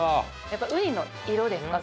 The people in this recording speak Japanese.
やっぱウニの色ですか？